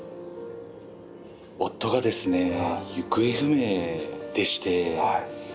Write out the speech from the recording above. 夫がですね行方不明でして。